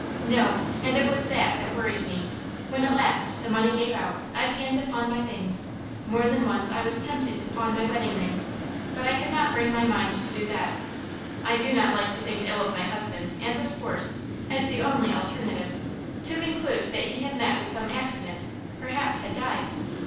"No, and it was that that worried me. When at last the money gave out, I began to pawn my things more than once I was tempted to pawn my wedding ring, but I could not bring my mind to do that. I do not like to think ill of my husband, and was forced, as the only alternative, to conclude that he had met with some accident, perhaps had died.